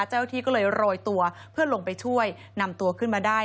เจ้าหน้าที่ก็เลยโรยตัวเพื่อลงไปช่วยนำตัวขึ้นมาได้